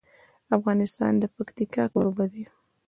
افغانستان د پکتیکا کوربه دی.